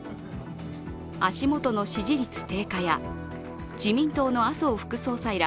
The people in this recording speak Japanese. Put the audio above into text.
足元の支持率低下や、自民党の麻生副総裁ら、